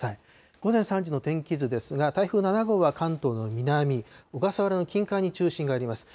午前３時の天気図ですが、台風７号は関東の南、小笠原の近海に中心があります。